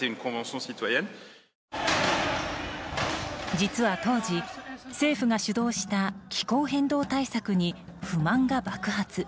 実は当時、政府が主導した気候変動対策に不満が爆発。